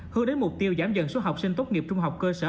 hướng đến mục tiêu giảm dần số học sinh tốt nghiệp trung học cơ sở